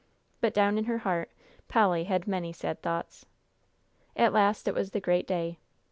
But down in her heart Polly had many sad thoughts. At last it was the great day.